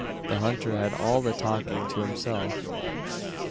The hunter had all the talking to himself.